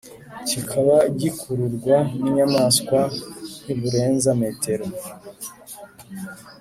Kikaba gikururwa n inyamaswa ntiburenza metero